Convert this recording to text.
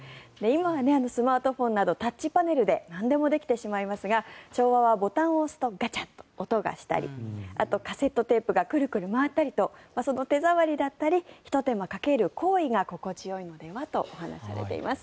今はスマートフォンなどタッチパネルでなんでもできてしまいますが昭和はボタンを押すとガチャッと音がしたりあとはカセットテープがクルクル回ったりとその手触りだったりひと手間かける行為が心地よいのではとお話しされています。